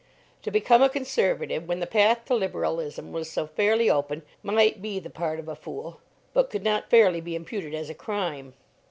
To become a Conservative, when the path to Liberalism was so fairly open, might be the part of a fool, but could not fairly be imputed as a crime.